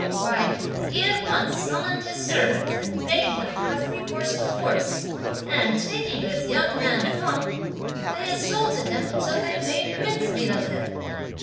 Why, he at once summoned his servants and bade them have recourse to force; and, taking this young man Feng, they assailed him till they made mincemeat of him.